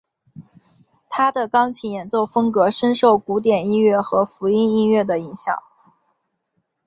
他的钢琴演奏风格深受古典音乐和福音音乐的影响。